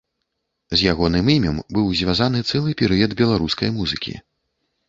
З ягоным імем быў звязаны цэлы перыяд беларускай музыкі.